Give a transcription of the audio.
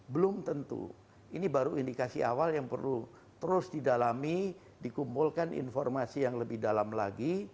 belum tentu ini baru indikasi awal yang perlu terus didalami dikumpulkan informasi yang lebih dalam lagi